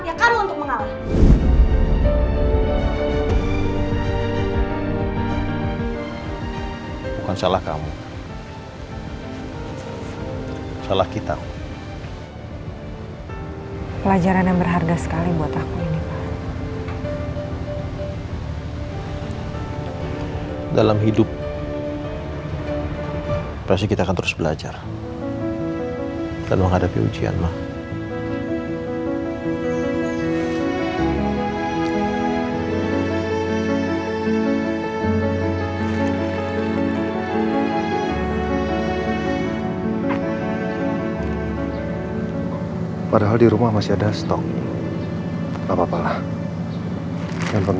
yang sudah kita ceritakan